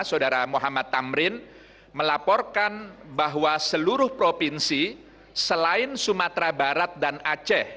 saudara muhammad tamrin melaporkan bahwa seluruh provinsi selain sumatera barat dan aceh